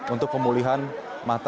untuk pemulihan mata